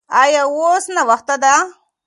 ایا اوس ناوخته ده؟